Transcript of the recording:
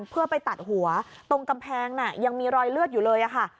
เพื่อไปตัดหัวตรงกำแพงน่ะยังมีรอยเลือดอยู่เลยค่ะ